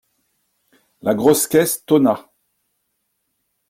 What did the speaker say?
La grosse caisse tonna.